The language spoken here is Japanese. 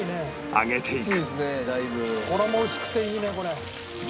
揚げていく